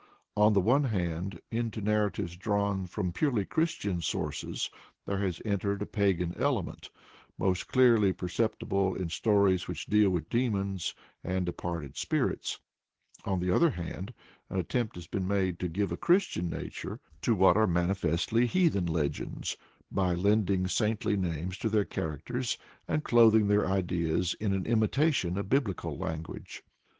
On the one hand, into narratives drawn from purely Christian sources there has entered a pagan element, most clearly perceptible in stories which deal with demons and departed spirits; on the other hand, an attempt has been made to give a Christian nature to what are manifestly heathen legends, by lending saintly names to their characters and clothing their ideas in an imitation of biblical language.